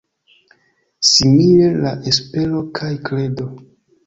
Simile la Espero kaj kredo.